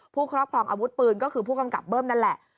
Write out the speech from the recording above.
ครอบครองอาวุธปืนก็คือผู้กำกับเบิ้มนั่นแหละ